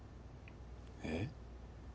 えっ？